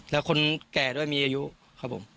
แล้วคนแก่ด้วยมีอายุครับผม